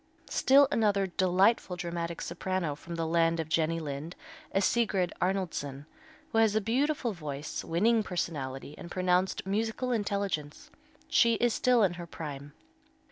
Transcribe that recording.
Still another delightful dramatic soprano from the land of Jenny Lind is Sigrid Arnoldson, who has a beautiful voice, winning personality, and pronounced musical intelligence. She is still in her prime.